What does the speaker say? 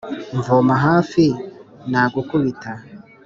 mvoma hafi nagukubita.